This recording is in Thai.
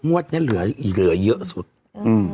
งวดนี้หลือเยอะสุดอึอ